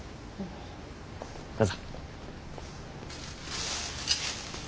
どうぞ。